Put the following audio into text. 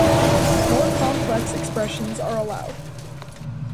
More complex expressions are allowed.